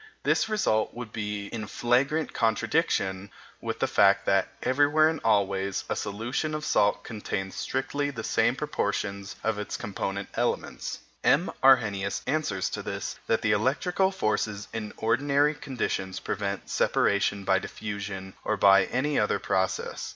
This result would be in flagrant contradiction with the fact that, everywhere and always, a solution of salt contains strictly the same proportions of its component elements. M. Arrhenius answers to this that the electrical forces in ordinary conditions prevent separation by diffusion or by any other process.